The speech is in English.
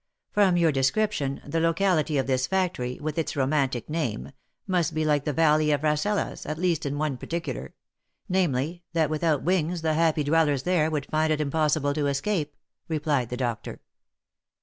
From your description, the locality of this factory, with its romantic name, must be like the valley of Rasselas, at least in one particular — namely, that without wings the happy dwellers there would find it impossible to escape," replied the doctor.